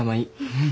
うん！